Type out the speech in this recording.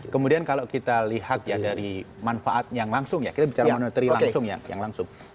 kemudian kalau kita lihat dari manfaat yang langsung ya kita bicara monetary langsung ya